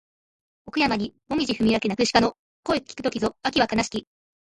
奥山にもみぢ踏み分け鳴く鹿の声聞く時ぞ秋は悲しき